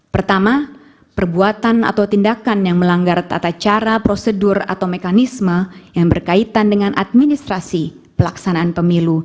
pertama perbuatan atau tindakan yang melanggar tata cara prosedur atau mekanisme yang berkaitan dengan administrasi pelaksanaan pemilu